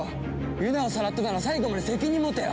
ユナをさらったなら最後まで責任持てよ！